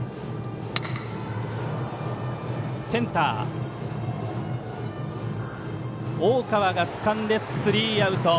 センターの大川がつかんでスリーアウト。